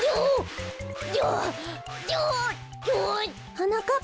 はなかっ